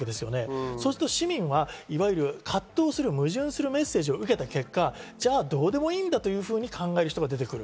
そうすると市民は、いわゆる葛藤する、矛盾するメッセージを受けた結果、どうでもいいんだというに考える人が出てくる。